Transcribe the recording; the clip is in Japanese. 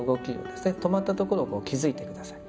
止まったところを気づいて下さい。